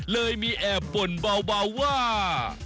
เลยมีแอบบ่นเบาว่า